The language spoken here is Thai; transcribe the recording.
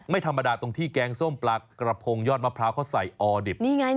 ไม่ธรรมดาตรงที่แกงส้มปลากระพงยอดมะพร้าวเขาใส่ออดิบนี่ไง